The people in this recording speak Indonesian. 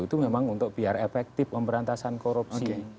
itu memang untuk biar efektif pemberantasan korupsi